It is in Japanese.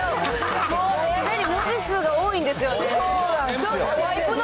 常に文字数が多いんですよね。